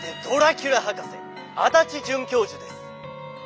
ドラキュラ博士足立准教授です！